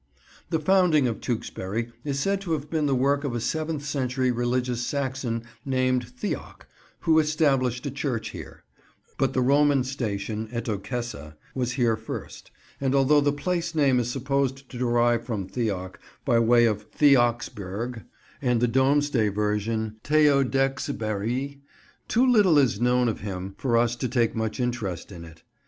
The founding of Tewkesbury is said to have been the work of a seventh century religious Saxon named Theoc, who established a church here; but the Roman station, Etocessa, was here first, and although the place name is supposed to derive from Theoc, by way of "Theocsbyrig," and the Domesday version, "Teodechesberie," too little is known of him for us to take much interest in it.